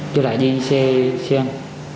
tôi lại đi xe sang